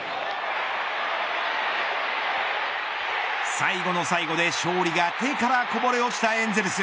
最後の最後で、勝利が手からこぼれ落ちたエンゼルス。